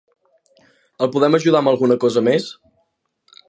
El podem ajudar amb alguna cosa més?